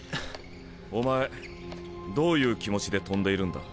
お前どういう気持ちで跳んでいるんだ。